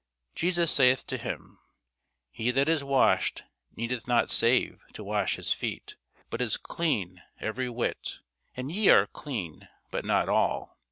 Jesus saith to him, He that is washed needeth not save to wash his feet, but is clean every whit: and ye are clean, but not all.